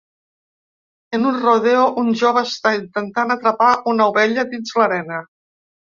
En un rodeo, un jove està intentant atrapar una ovella dins l'arena.